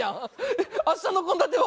えっ明日の献立は？